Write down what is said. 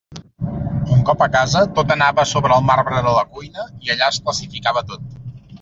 Un cop a casa, tot anava a sobre el marbre de la cuina, i allà es classificava tot.